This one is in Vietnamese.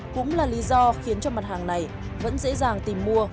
cũng là lý do khiến cho mặt hàng này vẫn dễ dàng tìm mua